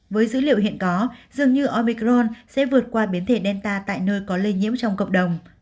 với dữ liệu hiện có dường như omicron sẽ vượt qua biến thể delta tại nơi có lây nhiễm trong cộng đồng